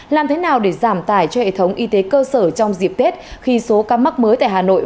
làm thế nào để giảm tải cho hệ thống y tế cơ sở trong dịp tết khi số ca mắc mới tại hà nội